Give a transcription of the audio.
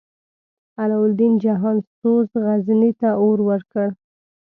علاوالدین جهان سوز، غزني ته اور ورکړ.